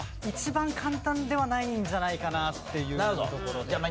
一番簡単ではないんじゃないかなっていうところで。